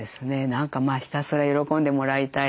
何かひたすら喜んでもらいたい。